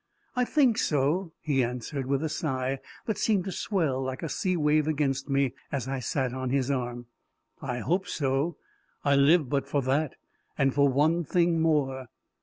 "I think so," he answered, with a sigh that seemed to swell like a sea wave against me, as I sat on his arm; " I hope so. I live but for that and for one thing more."